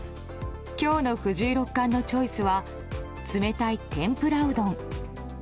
今日の藤井六冠のチョイスは冷たい天ぷらうどん。